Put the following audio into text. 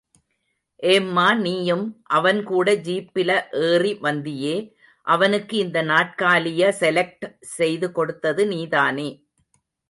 ஏம்மா நீயும்... அவன் கூட ஜீப்பில ஏறி வந்தியே... அவனுக்கு இந்த நாற்காலிய செலக்ட் செய்து கொடுத்தது நீதானே.